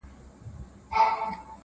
ژر سه ووهه زموږ خان ته ملاقونه-